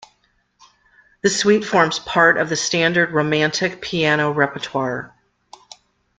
The suite forms part of the standard Romantic piano repertoire.